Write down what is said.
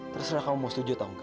terserah kamu mau setuju atau enggak